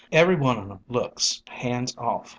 Every one on 'em looks ' hands off